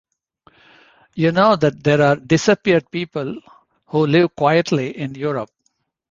You know that there are 'disappeared people' who live quietly in Europe.